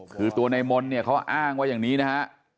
คือตัวในมนต์เขาอ้างไว้อย่างนี้นะฮะ